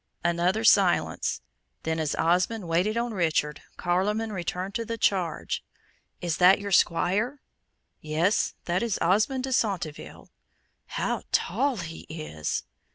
Another silence; then, as Osmond waited on Richard, Carloman returned to the charge, "Is that your Squire?" "Yes, that is Osmond de Centeville." "How tall he is!"